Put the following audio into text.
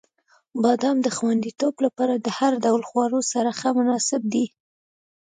• بادام د خوندیتوب لپاره د هر ډول خواړو سره ښه مناسب دی.